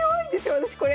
私これ。